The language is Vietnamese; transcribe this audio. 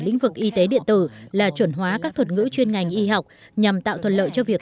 lĩnh vực y tế điện tử là chuẩn hóa các thuật ngữ chuyên ngành y học nhằm tạo thuận lợi cho việc